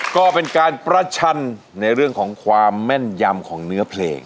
ก็เป็นการประชันในเรื่องของความแม่นยำของเนื้อเพลง